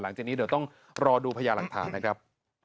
หลังจากนี้เดี๋ยวต้องรอดูพญาหลักฐานนะครับ